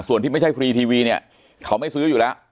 ส่วนที่ไม่ใช่ฟรีทีวีเนี่ยเขาไม่ซื้ออยู่แล้ว